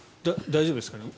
大丈夫ですか。